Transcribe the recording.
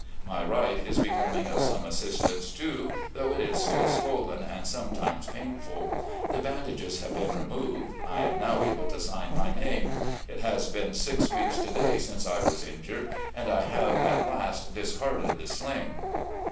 My right is becoming of some assistance, too, though it is still swollen and sometimes painful. The bandages have been removed. I am now able to sign my name. It has been six weeks to day since I was injtu'ed, and I have at last discarded the sling."